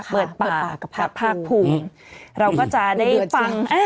เปิดปากหักผ้าพูง